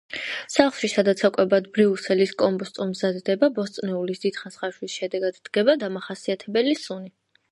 სახლში სადაც საკვებად ბრიუსელის კომბოსტო მზადდება, ბოსტნეულის დიდხანს ხარშვის შედეგად დგება დამახასიათებელი სუნი.